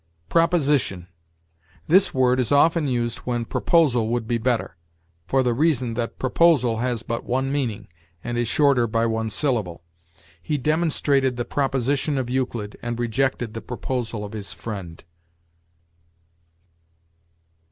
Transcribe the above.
PROPOSITION. This word is often used when proposal would be better, for the reason that proposal has but one meaning, and is shorter by one syllable. "He demonstrated the proposition of Euclid, and rejected the proposal of his friend."